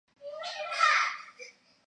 赐郑璩素六十匹。